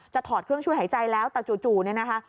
ถอดเครื่องช่วยหายใจแล้วแต่จู่เนี่ยนะคะ